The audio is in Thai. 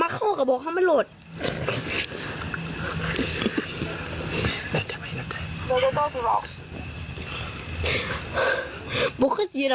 กูเบื่อคำสัญญา